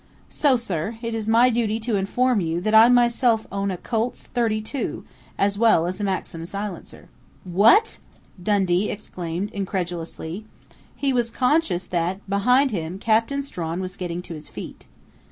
So, sir, it is my duty to inform you that I myself own a Colt's .32, as well as a Maxim silencer." "What!" Dundee exclaimed incredulously. He was conscious that, behind him, Captain Strawn was getting to his feet.